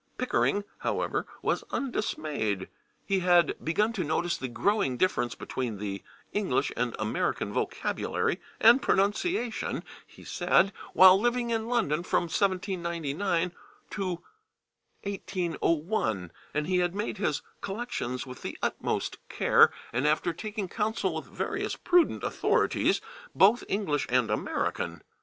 Pickering, however, was undismayed. He had begun to notice the growing difference between the English and American vocabulary and pronunciation, he said, while living in London from 1799 to 1801, and he had made his collections with the utmost care, and after taking counsel with various prudent authorities, both English and American.